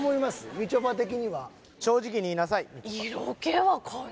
みちょぱ的には正直に言いなさい